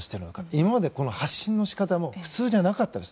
今まで発信の仕方も普通じゃなかったです。